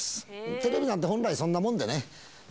テレビなんて、本来、そんなもんでね。